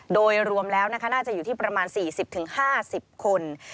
โดยรวมแล้วน่าจะอยู่ที่ประมาณ๔๐๕๐คน